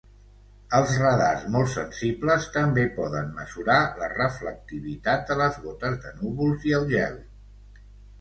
Els radars molt sensibles també poden mesurar la reflectivitat de les gotes de núvols i el gel.